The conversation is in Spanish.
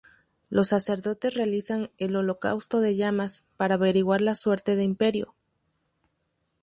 Los sacerdotes realizan el holocausto de llamas para averiguar la suerte de Imperio.